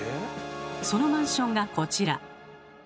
そのマンションがこちら。